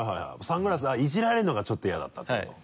サングラスイジられるのがちょっと嫌だったっていうこと？